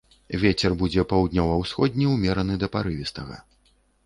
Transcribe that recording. Вецер будзе паўднёва-ўсходні ўмераны да парывістага.